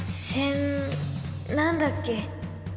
千何だっけ？